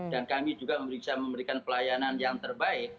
dan kami juga bisa memberikan pelayanan yang terbaik